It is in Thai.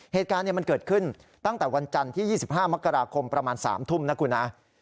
เหตุการณ์มันเกิดขึ้นตั้งแต่วันจันทร์ที่๒๕มกราคมประมาณ๓ทุ่มนะคุณนะ